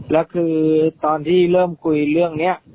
แล้วคือตอนที่เริ่มคุยเรื่องนี้